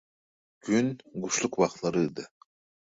Gün guşluk wagtlarydy.